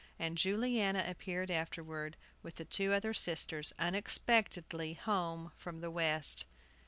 And Juliana appeared afterward, with the two other sisters, unexpectedly home from the West.